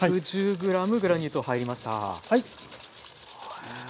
グラニュー糖入りました。